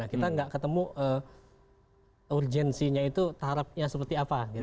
kita nggak ketemu urgensinya itu tarapnya seperti apa